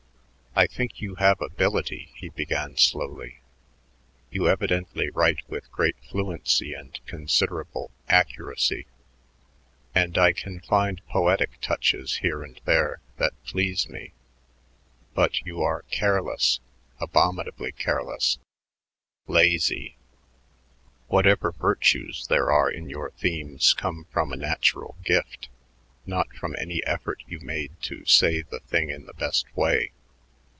"I think you have ability," he began slowly. "You evidently write with great fluency and considerable accuracy, and I can find poetic touches here and there that please me. But you are careless, abominably careless, lazy. Whatever virtues there are in your themes come from a natural gift, not from any effort you made to say the thing in the best way.